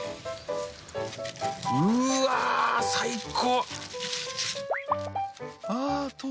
うわ！最高！